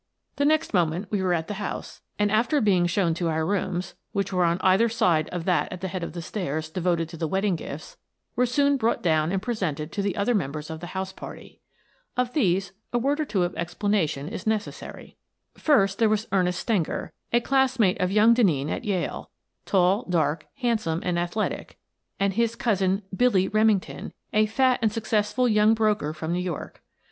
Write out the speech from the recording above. The next moment we were at the house, and, after being shown to our rooms, — which were on either side of that at the head of the stairs devoted to the wedding gifts, — were soon brought down and presented to the other members of the house party. Of these a word or two of explanation is neces 20 Miss Frances Baird, Detective sary. First, there was Ernest Stenger, a classmate of young Denneen at Yale, tall, dark, handsome, and athletic, and his cousin, " Billy " Remington, a fat and successful young broker from New York.